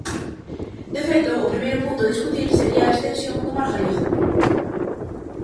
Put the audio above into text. De feito, o primeiro punto a discutir sería a extensión do mar galego.